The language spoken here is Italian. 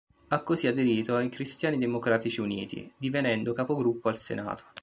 Ha così aderito ai Cristiani Democratici Uniti divenendo capogruppo al Senato.